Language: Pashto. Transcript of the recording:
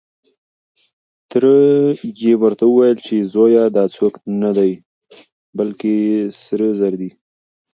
تره يې ورته وويل چې زويه دا څوک نه دی، بلکې سره زر دي.